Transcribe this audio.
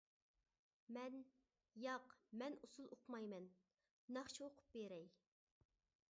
مەن : ياق مەن ئۇسۇل ئۇقمايمەن. ناخشا ئوقۇپ بېرەي.